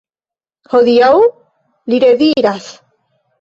Hodiaŭ!? li rediras.